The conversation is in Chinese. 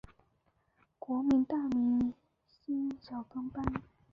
国民大会大明星小跟班